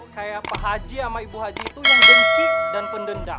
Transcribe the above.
kayak pak haji sama ibu haji itu yang benci dan pendendam